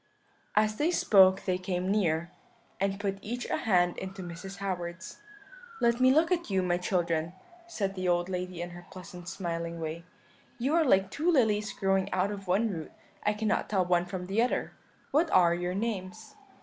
"As they spoke they came near, and put each a hand into Mrs. Howard's. "'Let me look at you, my children,' said the old lady in her pleasant smiling way; 'you are like two lilies growing out of one root; I cannot tell one from the other; what are your names?'